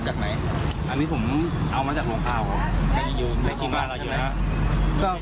ตอนนั้นผมหนีแล้ว๓รอบแล้วผมก็